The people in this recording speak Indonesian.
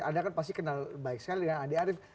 anda kan pasti kenal baik sekali dengan andi arief